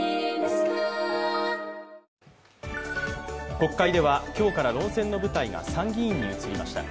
国会では、今日から論戦の舞台が参議院に移りました。